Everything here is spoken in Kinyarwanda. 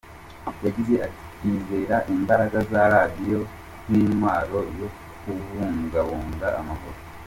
Yagize ati “Twizera imbaraga za Radio nk’intwaro yo kubungabunga amahoro.